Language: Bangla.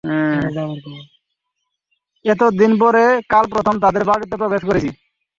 এতদিন পরে কাল প্রথম তাঁদের বাড়িতে প্রবেশ করেছি।